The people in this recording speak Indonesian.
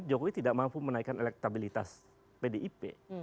jokowi tidak mampu menaikkan elektabilitas pdip